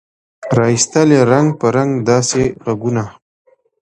را ایستل یې رنګ په رنګ داسي ږغونه